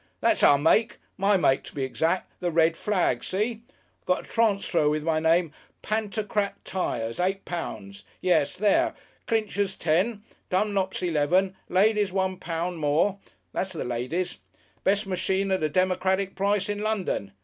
"That's our make, my make to be exact, The Red Flag, see? I got a transfer with my name Pantocrat tyres, eight pounds yes, there Clinchers ten, Dunlop's eleven, Ladies' one pound more that's the lady's. Best machine at a democratic price in London.